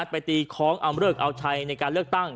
ไปตีคล้องเอาเลิกเอาชัยในการเลือกตั้ง